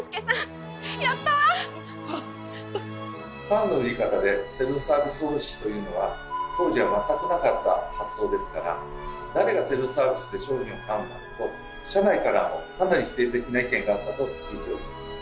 パンの売り方でセルフサービス方式というのは当時は全くなかった発想ですから「誰がセルフサービスで商品を買うんだ」と社内からもかなり否定的な意見があったと聞いております。